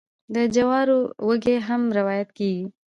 د جوارو وږي هم وریت کیږي.